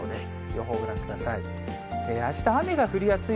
予報ご覧ください。